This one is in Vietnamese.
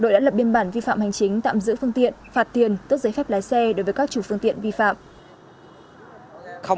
đội đã lập biên bản vi phạm hành chính tạm giữ phương tiện phạt tiền tước giấy phép lái xe đối với các chủ phương tiện vi phạm